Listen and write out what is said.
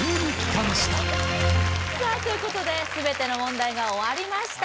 さあということで全ての問題が終わりました